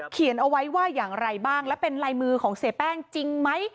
เขียนเอาไว้ว่าอย่างไรบ้างและเป็นลายมือของเสียแป้งจริงไหม